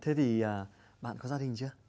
thế thì bạn có gia đình chưa